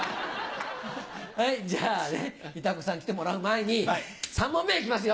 はいじゃあねイタコさんに来てもらう前に３問目へ行きますよ。